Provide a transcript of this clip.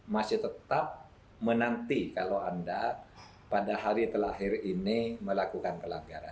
masih tetap menanti kalau anda pada hari terakhir ini melakukan pelanggaran